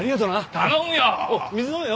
頼むよ！